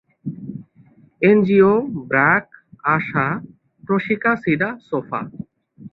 NGO BRAC, ASA, Proshika, সিডা, sofa.